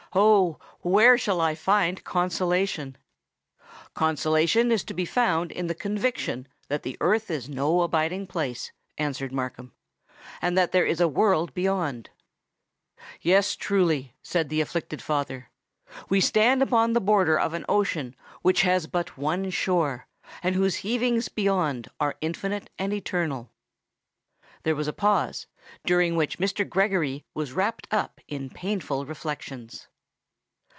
Oh! where shall I find consolation?" "Consolation is to be found in the conviction that the earth is no abiding place," answered Markham; "and that there is a world beyond." "Yes, truly," said the afflicted father. "We stand upon the border of an ocean which has but one shore, and whose heavings beyond are infinite and eternal." There was a pause, during which Mr. Gregory was wrapped up in painful reflections.